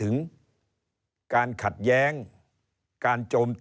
เริ่มตั้งแต่หาเสียงสมัครลง